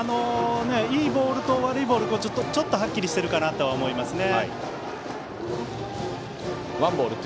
いいボールと悪いボールがちょっとはっきりしているかなとは思いますね。